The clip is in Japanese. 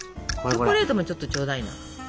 チョコレートもちょっとちょうだいな。